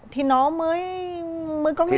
thì nó mới có người chạy tiếp